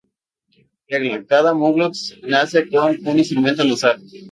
Regla: Cada muglox nace con un instrumento al azar.